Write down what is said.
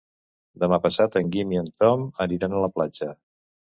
Demà passat en Guim i en Tom aniran a la platja.